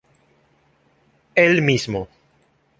Él mismo.